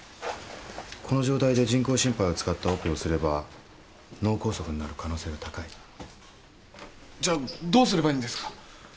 この状態で人工心肺を使ったオペをすれば脳梗塞になる可能性が高いじゃあどうすればいいんですか？